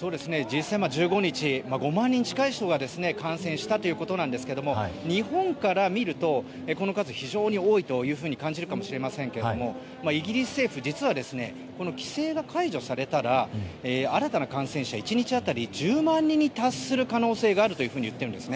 実際、１５日１５万人近い人が感染したということなんですが日本から見ると、この数は非常に多いと感じるかもしれませんがイギリス政府実は規制が解除されたら新たな感染者１日当たり１０万人に達する可能性があると言っているんです。